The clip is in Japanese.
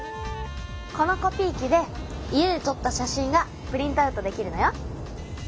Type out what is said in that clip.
このコピー機で家でとった写真がプリントアウトできるのよ。